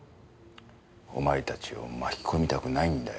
お前たちを巻き込みたくないんだよ